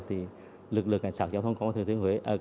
thì lực lượng cảnh sát giao thông